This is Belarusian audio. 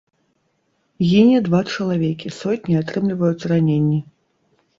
Гіне два чалавекі, сотні атрымліваюць раненні.